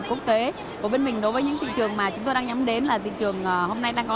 quốc tế của bên mình đối với những thị trường mà chúng tôi đang nhắm đến là thị trường hôm nay đang có